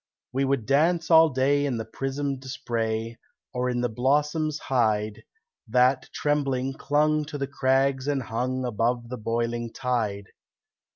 We would dance all day in the prismed spray, Or in the blossoms hide, That, trembling, clung to the crags and hung Above the boiling tide.